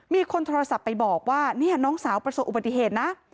มีคนโทรศัพท์ไปบอกว่าเนี่ยน้องสาวประสบอุบัติเหตุนะ